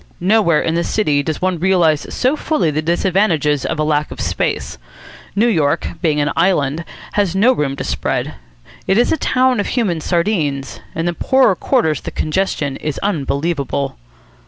Nowhere in the city does one realise so fully the disadvantages of a lack of space. New York, being an island, has had no room to spread. It is a town of human sardines. In the poorer quarters the congestion is unbelievable.